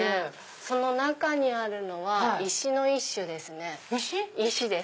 その中にあるのは石の一種です。